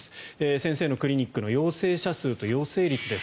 先生のクリニックの陽性者数と陽性率です。